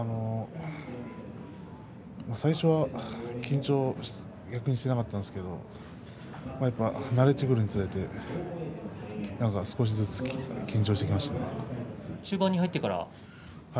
最初は緊張していなかったんですけれど慣れてくるにつれて少しずつ緊張してきましたね。